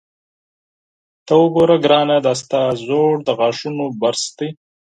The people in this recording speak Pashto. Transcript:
ته وګوره ګرانه، دا ستا زوړ د غاښونو برس دی.